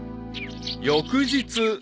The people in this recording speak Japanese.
［翌日］